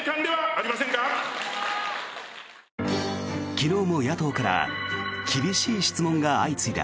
昨日も野党から厳しい質問が相次いだ。